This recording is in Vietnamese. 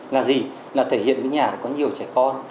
là gì là thể hiện với nhà có nhiều trẻ con